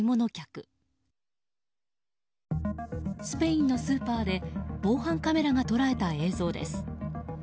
スペインのスーパーで防犯カメラが捉えた映像です。